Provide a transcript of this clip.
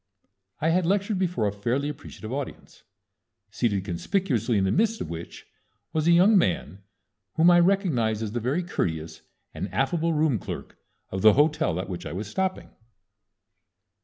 I had lectured before a fairly appreciative audience, seated conspicuously in the midst of which was a young man whom I recognized as the very courteous and affable room clerk of the hotel at which I was stopping.